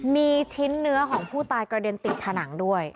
มีชิ้นเนื้อของผู้ตายกระเด็นติดผนังด้วย